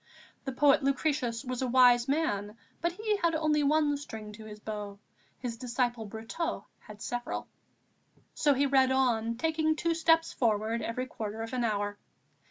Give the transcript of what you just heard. The poet Lucretius was a wise man, but he had only one string to his bow; his disciple Brotteaux had several. So he read on, taking two steps forward every quarter of an hour.